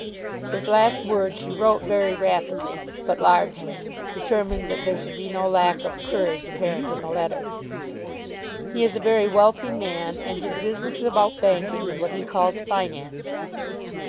This last word she wrote very rapidly, but largely, determined that there should be no lack of courage apparent in the letter. He is a very wealthy man, and his business is about banking and what he calls finance.